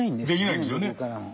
できないんですよね。